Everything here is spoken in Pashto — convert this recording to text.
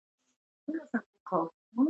شخصي معلومات خوندي کړئ.